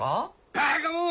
バカもん！